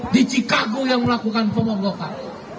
di chicago yang melakukan pemogokan